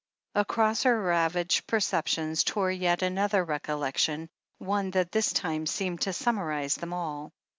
Across her ravaged perceptions tore yet another rec ollection, one that this time seemed to summarize them all.